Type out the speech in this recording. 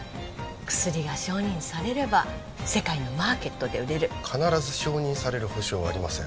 薬が承認されれば世界のマーケットで売れる必ず承認される保証はありません